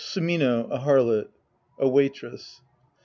SuMiNO, a harlot. A Waitress.